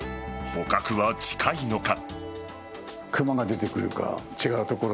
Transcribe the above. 捕獲は近いのか。